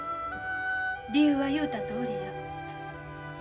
理由は言うたとおりや。